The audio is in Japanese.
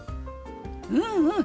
うんうん！